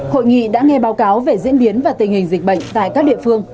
hội nghị đã nghe báo cáo về diễn biến và tình hình dịch bệnh tại các địa phương